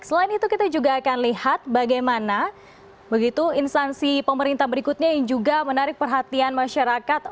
selain itu kita juga akan lihat bagaimana begitu instansi pemerintah berikutnya yang juga menarik perhatian masyarakat